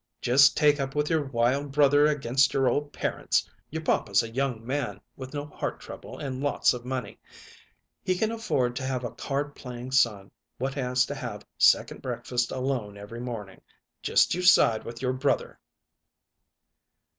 "Just take up with your wild brother against your old parents! Your papa's a young man, with no heart trouble and lots of money; he can afford to have a card playing son what has to have second breakfast alone every morning! Just you side with your brother!"